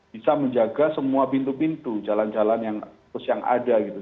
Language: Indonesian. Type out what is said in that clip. bisa menjaga semua pintu pintu jalan jalan yang ada gitu